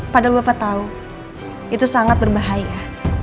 padahal bapak tahu itu sangat berbahaya